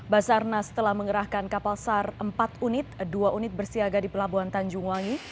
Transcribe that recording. basarnas telah mengerahkan kapal sar empat unit dua unit bersiaga di pelabuhan tanjung wangi